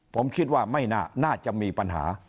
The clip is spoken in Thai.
ผมคิดว่าไม่น่าจะมีปัญหา